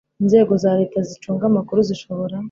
inzego za leta zicunga amakuru zishobora